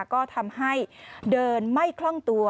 ก็ทำให้เดินไม่คล่องตัว